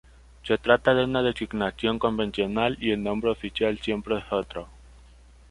Se trata de una designación convencional y el nombre oficial siempre es otro.